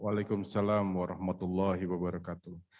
waalaikumsalam warahmatullahi wabarakatuh